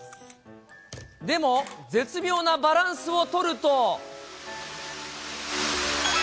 でも、絶妙なバランスを取ると。